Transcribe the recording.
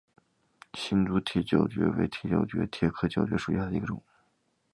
新竹铁角蕨为铁角蕨科铁角蕨属下的一个种。